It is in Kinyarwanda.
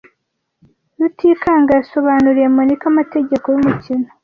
Rutikanga yasobanuriye Monika amategeko yumukino.